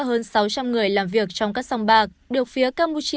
hơn sáu trăm linh người làm việc trong các sông bạc